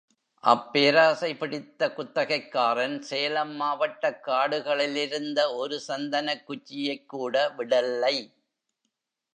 அப்பேராசை பிடித்த குத்தகைக்காரன், சேலம் மாவட்டக் காடுகளிலிருந்த ஒரு சந்தனக் குச்சியைக்கூட விடல்லை.